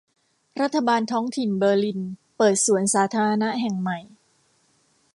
รัฐบาลท้องถิ่นเบอร์ลิน เปิดสวนสาธารณะแห่งใหม่